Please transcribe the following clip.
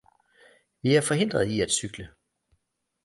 Vi er forhindret i at cykle